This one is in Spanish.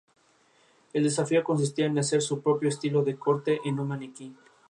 El desafío consistía en hacer su propio estilo de corte en un maniquí.